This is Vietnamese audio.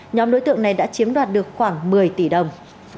nhóm đối tượng này đã chiếm đoạt được khoảng một mươi tỷ đồng